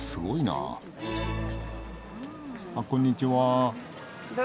あっこんにちは。